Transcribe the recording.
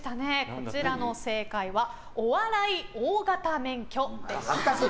こちらの正解はお笑い大型免許でした。